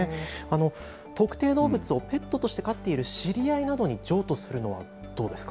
特定動物をペットとして飼っている知り合いなどに譲渡するのはどうですか。